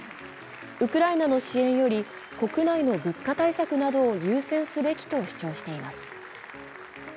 ウクライナの支援より国内の物価対策などを優先すべきと主張しています。